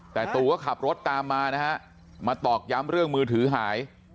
แต่ตู่ก็ขับรถตามมานะฮะมาตอกย้ำเรื่องมือถือหาย